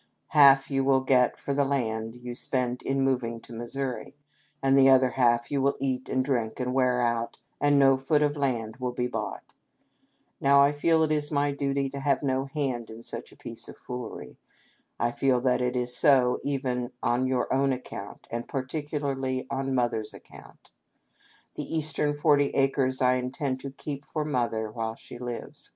Half you will get for the land you spend in moving to Missouri, and the other half you will eat and drink and wear out, and no foot of land will be bought. Now I feel it is my duty to have no hand in such a piece of foolery. I feel that it is so even on your own account, and particularly on Mother's account. The eastern forty acres I intend to keep for Mother while she lives ; 6l8 APPENDIX.